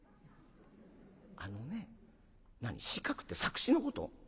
「あのね何詞書くって作詞のこと？